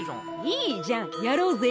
いいじゃんやろうぜ。